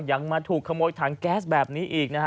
ยังมาถูกขโมยถังแก๊สแบบนี้อีกนะฮะ